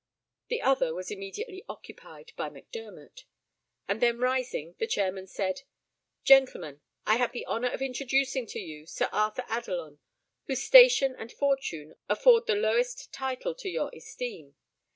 The other was immediately occupied by Mac Dermot, and then rising, the chairman said, "Gentlemen, I have the honour of introducing to you Sir Arthur Adelon, whose station and fortune afford the lowest title to your esteem.